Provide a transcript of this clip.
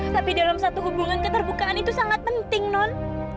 tapi dalam satu hubungan keterbukaan itu sangat penting non